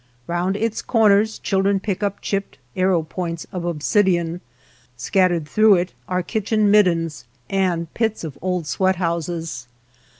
Round its corners children pick up chipped arrow points of obsidian, scattered through it are kitchen middens and pits of old sweat houses.